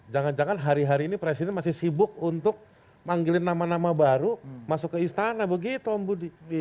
jangan jangan hari hari ini presiden masih sibuk untuk manggilin nama nama baru masuk ke istana begitu om budi